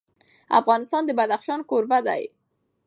افغانستان د بدخشان کوربه دی.